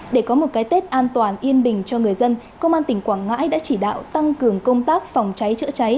để có một cái tết an toàn yên bình cho người dân công an tỉnh quảng ngãi đã chỉ đạo tăng cường công tác phòng cháy chữa cháy